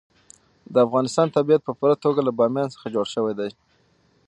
د افغانستان طبیعت په پوره توګه له بامیان څخه جوړ شوی دی.